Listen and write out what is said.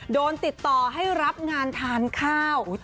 โดนติดต่อให้รับงานทานข้าว